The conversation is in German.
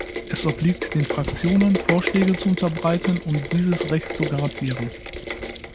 Es obliegt den Fraktionen, Vorschläge zu unterbreiten, um dieses Recht zu garantieren.